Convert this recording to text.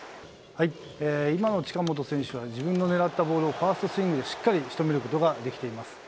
今の近本選手は、自分の狙ったボールをファーストスイング、しっかりとしとめることができています。